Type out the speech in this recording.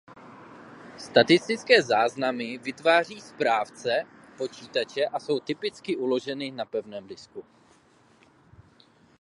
Statické záznamy vytváří správce počítače a jsou typicky uloženy na pevném disku.